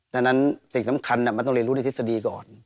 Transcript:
ดังนั้นสิ่งสำคัญมันต้องเรียนรู้ในทฤษฎีก่อน